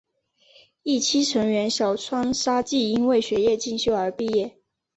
一期成员小川纱季因为学业进修而毕业。